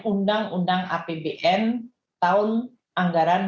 undang undang apbn tahun anggaran dua ribu dua puluh dua